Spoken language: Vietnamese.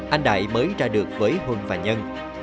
anh đại mới ra được với huân và nhân